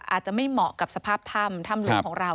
อาจจะไม่เหมาะกับสภาพถ้ำถ้ำหลวงของเรา